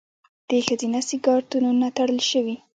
د ښځینه سینګارتونونه تړل شوي؟